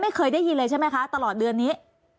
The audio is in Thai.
ไม่เคยได้ยินเลยใช่ไหมคะตลอดเดือนนี้